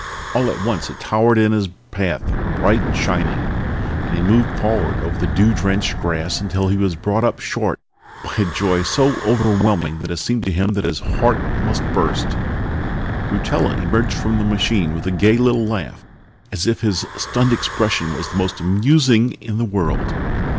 All at once it towered in his path, bright and shining, and he moved forward over the dew drenched grass until he was brought up short by a joy so overwhelming that it seemed to him that his heart must burst. Rutella emerged from the machine with a gay little laugh, as if his stunned expression was the most amusing in the world.